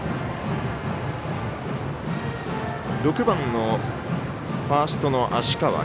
６番のファーストの芦川。